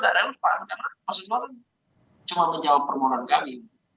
karena dua cuma menjawab permohonan kami